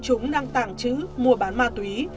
chúng đang tàng trữ mua bán ma túy